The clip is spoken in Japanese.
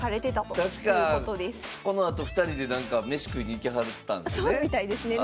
確かこのあと２人で飯食いに行きはったんですよね。